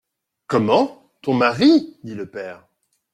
Comment ! ton mari ? dit le père.